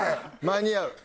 間に合う。